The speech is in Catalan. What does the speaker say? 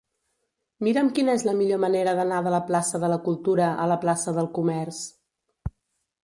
Mira'm quina és la millor manera d'anar de la plaça de la Cultura a la plaça del Comerç.